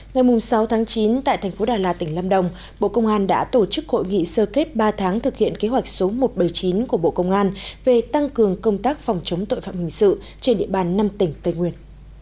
ngày sáu chín tại thành phố đà lạt tỉnh lâm đồng bộ công an đã tổ chức hội nghị sơ kết ba tháng thực hiện kế hoạch số một trăm bảy mươi chín của bộ công an về tăng cường công tác phòng chống tội phạm hình sự trên địa bàn năm tỉnh tây nguyên